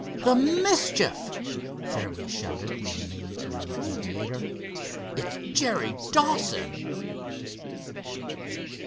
"The mischief!" fairly shouted the amazed young aviator. "It's Jerry Dawson!"